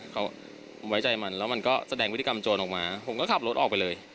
เขาไว้ใจมันแล้วมันก็แสดงพฤติกรรมโจรออกมาผมก็ขับรถออกไปเลย